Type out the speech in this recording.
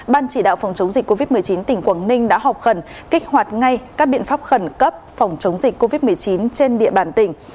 ban chỉ đạo phòng chống dịch covid một mươi chín tỉnh quảng ninh đã họp khẩn kích hoạt ngay các biện pháp khẩn cấp phòng chống dịch covid một mươi chín trên địa bàn tỉnh